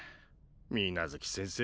水無月先生